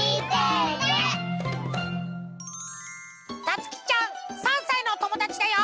たつきちゃん３さいのおともだちだよ！